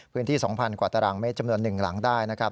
พื้นที่๒๐๐๐กว่าตารางไม่จำนวน๑หลังได้นะครับ